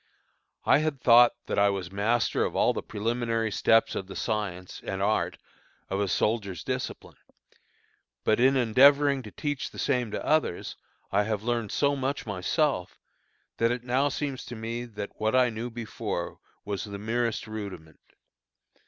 I had thought that I was master of all the preliminary steps of the science and art of a soldier's discipline, but in endeavoring to teach the same to others, I have learned so much myself, that it now seems to me that what I knew before was the merest rudiment.